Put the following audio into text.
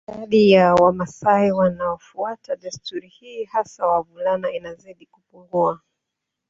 Idadi ya Wamasai wanaofuata desturi hii hasa wavulana inazidi kupungua